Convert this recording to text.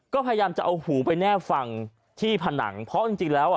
ก็พยายามจะเอาหูไปแนบฟังที่ผนังเพราะจริงแล้วอ่ะ